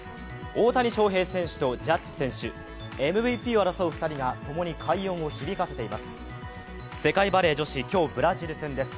大谷翔平選手とジャッジ選手ＭＶＰを争う２人が共に快音を響かせています。